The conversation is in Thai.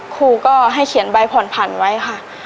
ครูก็ให้เขียนใบผ่อนผันไว้ค่ะ